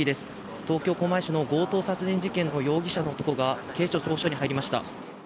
東京・狛江市の強盗殺人事件の容疑者の男が警視庁調布署に入りました。